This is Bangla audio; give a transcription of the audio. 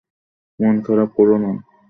মন খারাপ করো না।